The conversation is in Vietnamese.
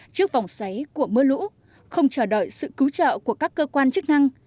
trước vòng xoáy của mưa lũ không chờ đợi sự cứu trợ của các cơ quan chức năng